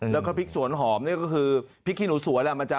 แล้วก็พริกสวนหอมนี่ก็คือพริกขี้หนูสวน